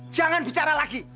jangan bicara lagi